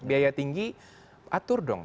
biaya tinggi atur dong